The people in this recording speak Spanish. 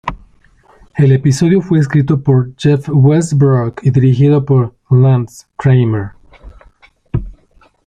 El episodio fue escrito por Jeff Westbrook y dirigido por Lance Kramer.